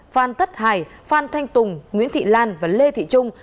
phan tất hải phan thanh tùng nguyễn thị lan và lê thị trung